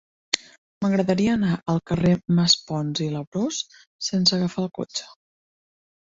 M'agradaria anar al carrer de Maspons i Labrós sense agafar el cotxe.